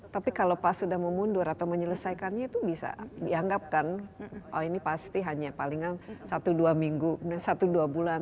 tapi kalau pas sudah memundur atau menyelesaikannya itu bisa dianggapkan oh ini pasti hanya palingan satu dua minggu satu dua bulan